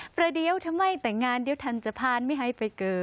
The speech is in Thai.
ประเดี๋ยวถ้าไม่แต่งงานเดี๋ยวทันจะผ่านไม่ให้ไปเกิด